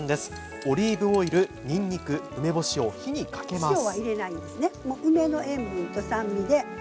オリーブオイル、にんにく梅干しを火にかけます。